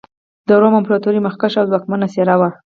د روم امپراتورۍ مخکښه او ځواکمنه څېره وه.